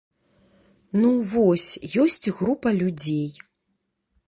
Ну, вось, ёсць група людзей.